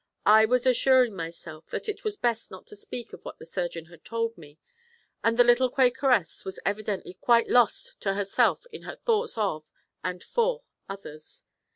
I was assuring myself that it was best not to speak of what the surgeon had told me, and the little Quakeress was evidently quite lost to herself in her thoughts of, and for, others.